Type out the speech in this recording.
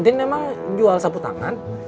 tin emang jual sapu tangan